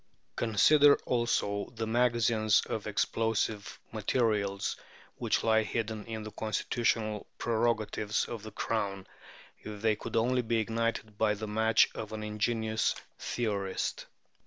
Consider also the magazines of explosive materials which lie hidden in the constitutional prerogatives of the Crown, if they could only be ignited by the match of an ingenious theorist.